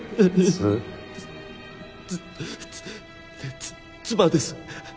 つつ妻です。